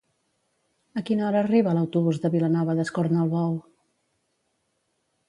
A quina hora arriba l'autobús de Vilanova d'Escornalbou?